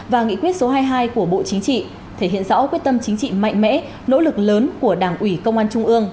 và nghị quyết số hai mươi hai của bộ chính trị thể hiện rõ quyết tâm chính trị mạnh mẽ nỗ lực lớn của đảng ủy công an trung ương